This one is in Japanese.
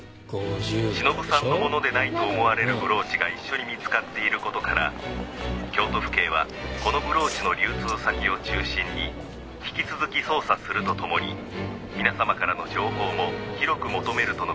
「忍さんのものでないと思われるブローチが一緒に見つかっている事から京都府警はこのブローチの流通先を中心に引き続き捜査するとともに皆様からの情報も広く求めるとの事です」